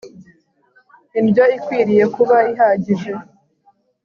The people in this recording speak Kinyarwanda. Indyo ikwiriye kuba ihagije